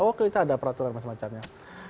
oke itu ada peraturan semacamnya